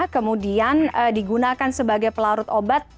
kemudian digunakan sebagai pelarut obat